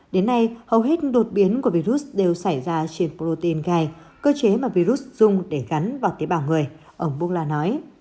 đến nay hầu hết đột biến của virus đều xảy ra trên protein gai cơ chế mà virus dùng để gắn vào tế bào người ở bula nói